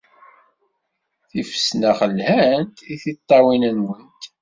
Tifesnax lhant i tiṭṭawin-nwent.